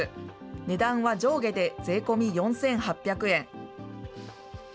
値段は上下で税込み４８００円。